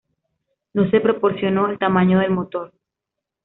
No se proporcionó el tamaño del motor.